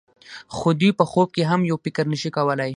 خو دوی په خوب کې هم یو فکر نشي کولای.